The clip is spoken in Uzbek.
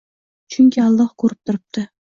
Chunki Alloh ko‘rib turibdi.